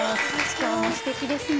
今日もすてきですね。